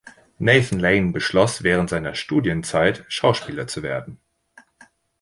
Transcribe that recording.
Nathan Lane beschloss während seiner Studienzeit, Schauspieler zu werden.